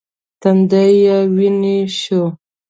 تندی یې ویني شو .